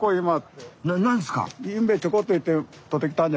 何ですか？